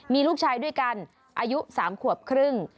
มีลูกชายด้วยกันอายุ๓ขวบครึ่ง